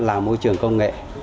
là môi trường công nghệ